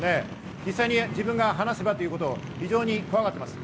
実際に自分が話したということを怖がっています。